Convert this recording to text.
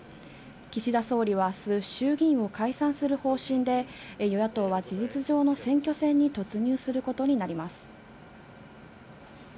岸田総理は明日、衆議院を解散する方針で、与野党は事実上の選挙戦に突入することになります。